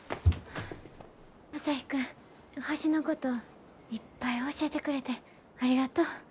朝陽君星のこといっぱい教えてくれてありがとう。